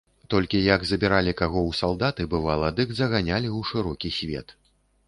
Толькі як забіралі каго ў салдаты, бывала, дык заганялі ў шырокі свет.